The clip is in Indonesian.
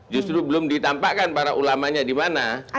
justru belum ditampakkan para ulamanya di mana